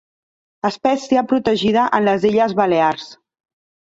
Espècie protegida en les Illes Balears.